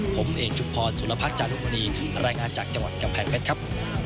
ผมเอกชุมพรสุรพัฒน์จารุมณีรายงานจากจังหวัดกำแพงเพชรครับ